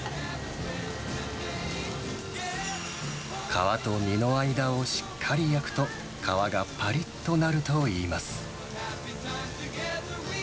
皮と身の間をしっかり焼くと、皮がぱりっとなるといいます。